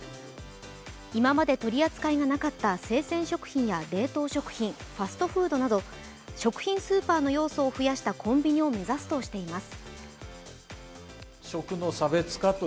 今まで取り扱いがなかった生鮮食品や冷凍食品ファストフードなど食品スーパーの要素を増やしたコンビニを目指すとしています。